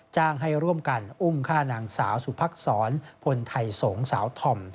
จ้างให้ร่วมกันอุ้มฆ่านางสาวสุภักษรพลไทยสงสาวธอม